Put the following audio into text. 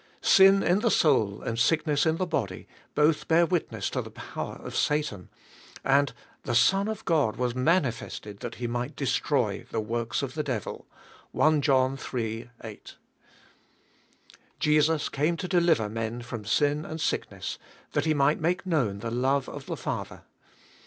Sin in the sonl and sick ness in the body both bear witness to the power of Satan, and "the Son of God was manifested that He might destroy the works of the devil" (1. John iii. 8). Jesus came to deliver men from sin and sickness that He might make known the love of the Father.